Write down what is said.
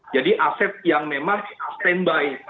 jadi aset yang memang standby